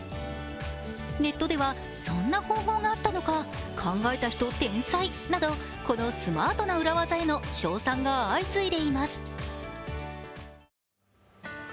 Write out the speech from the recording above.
ネットでは、そんな方法があったのか、考えた人天才など、このスマートな裏技への称賛が相次いでいます。